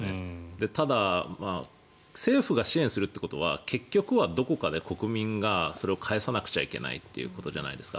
ただ、政府が支援するっていうことは結局はどこかで国民がそれを返さなくちゃいけないということじゃないですか。